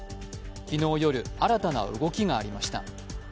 昨日夜、新たな動きがありました。